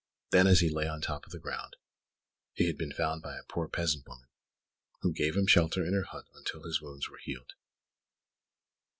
Then, as he lay on the top of the ground, he had been found by a poor peasant woman, who gave him shelter in her hut until his wounds were healed.